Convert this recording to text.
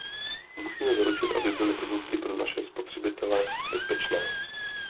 Musíme zaručit, aby byly produkty pro naše spotřebitele bezpečné.